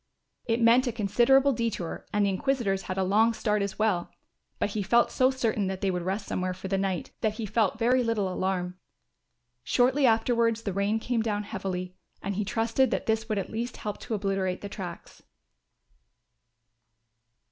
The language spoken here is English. It meant a considerable detour and the inquisitors had a long start as well; but he felt so certain that they would rest somewhere for the night, that he felt very little alarm. Shortly afterwards the rain came down heavily and he trusted that this would at least help to obliterate the tracks.